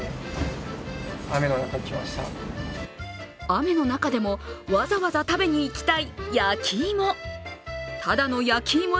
雨の中でもわざわざ食べにいきたい焼き芋。